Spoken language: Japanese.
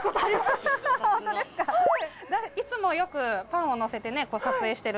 いつもよくパンをのせてね撮影してる。